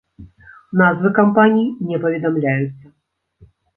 Назвы кампаній не паведамляюцца.